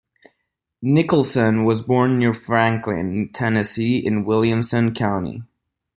Nicholson was born near Franklin, Tennessee in Williamson County.